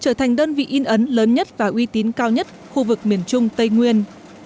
trở thành đơn vị in ấn lớn nhất và uy tín cao nhất khu vực miền trung tây nguyên